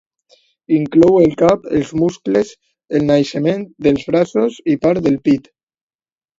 Inclou el cap, els muscles, el naixement dels braços i part del pit.